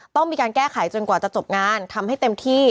ต้องมีการแก้ไขจนกว่าจะจบงานทำให้เต็มที่